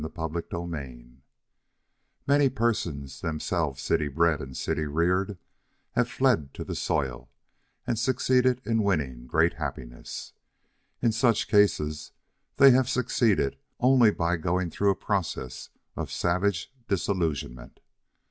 CHAPTER XXV Many persons, themselves city bred and city reared, have fled to the soil and succeeded in winning great happiness. In such cases they have succeeded only by going through a process of savage disillusionment.